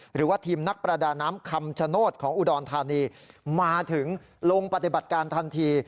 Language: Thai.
หรือว่าทีมนักประดาน้ำคำชโนธของอุดรธานีมาถึงลงปฏิบัติการทันที